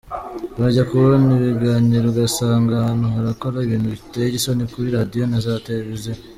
Wajya kubona ibiganiro ugasanga abantu barakora ibintu biteye isoni kuri radiyo na za televiziyo.